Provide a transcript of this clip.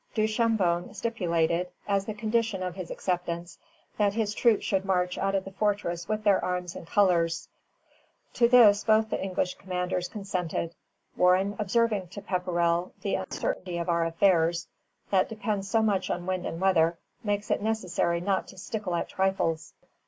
Duchambon stipulated, as the condition of his acceptance, that his troops should march out of the fortress with their arms and colors. [Footnote: Duchambon à Warren et Pepperrell, 27 Juin (new style), 1745.] To this both the English commanders consented, Warren observing to Pepperrell "the uncertainty of our affairs, that depend so much on wind and weather, makes it necessary not to stickle at trifles."